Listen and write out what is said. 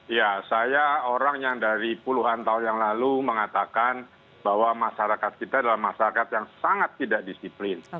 ya saya orang yang dari puluhan tahun yang lalu mengatakan bahwa masyarakat kita adalah masyarakat yang sangat tidak disiplin